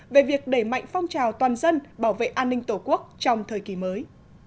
về việc đẩy mạnh phong trào toàn dân bảo vệ an ninh tổ quốc trong thời kỳ mới